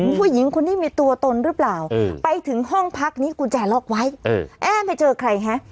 ผู้หญิงคนนี้มีตัวตนหรือเปล่าไปถึงห้องพักนี้กุญแจล็อกไว้เอ๊ะไปเจอใครฮะ